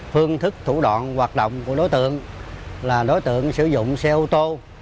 phương thức thủ đoạn hoạt động của đối tượng là đối tượng sử dụng xe ô tô